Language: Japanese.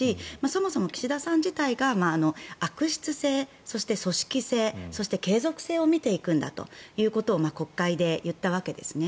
そもそも岸田さん自体が悪質性、そして組織性そして継続性を見ていくんだといことを国会で言ったわけですね。